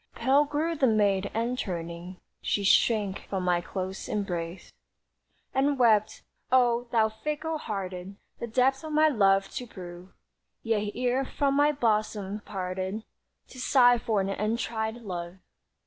Pale grew the maid, and, turning, She shrank from my close embrace, And wept: "Oh! thou fickle hearted The depth of my love to prove, Yet ere from my bosom parted To sigh for an untried love.